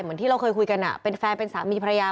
เหมือนที่เราเคยคุยกันเป็นแฟนเป็นสามีภรรยา